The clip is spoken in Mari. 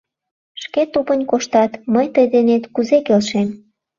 Шке тупынь коштат, мый тый денет кузе келшем?